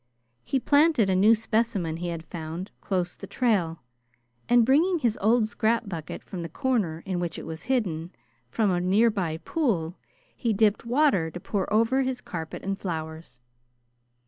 He planted a new specimen he had found close the trail, and, bringing his old scrap bucket from the corner in which it was hidden, from a near by pool he dipped water to pour over his carpet and flowers.